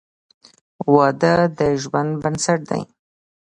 • واده د ژوند بنسټ دی.